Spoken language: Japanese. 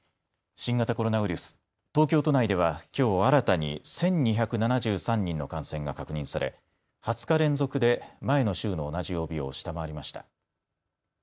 新型コロナウイルス、東京都内では、きょう新たに１２７３人の感染が確認され２０日連続で前の週の同じ曜日を下回りました。